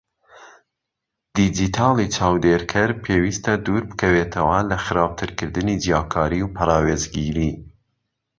دیجیتاڵی چاودێرکەر پێویستە دووربکەوێتەوە لە خراپترکردنی جیاکاری و پەراوێزگیری؛